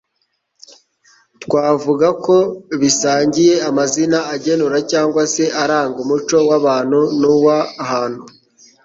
twavuga ko bisangiye amazina agenura cyangwa se aranga umuco w'abantu n'uw'ahantu,